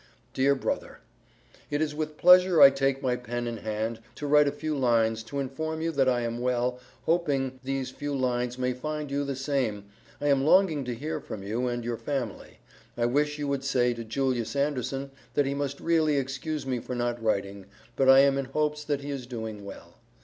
DEAR BROTHER: It is with pleasure i take my pen in hand to write a few lines to inform you that i am well hopeping these few lines may fine you the same i am longing to hear from you and your family i wish you would say to Julis Anderson that he must realy excuse me for not writing but i am in hopes that he is doing well.